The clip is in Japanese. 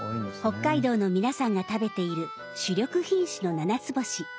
北海道の皆さんが食べている主力品種のななつぼし。